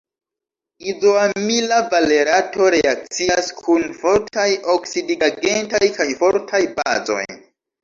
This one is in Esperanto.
Izoamila valerato reakcias kun fortaj oksidigagentoj kaj fortaj bazoj.